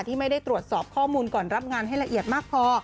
ที่ไม่ได้ตรวจสอบข้อมูลก่อนรับงานให้ละเอียดมากพอ